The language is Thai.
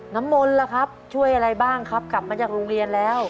น้ำมนต์ล่ะครับช่วยอะไรบ้างครับกลับมาจากโรงเรียนแล้ว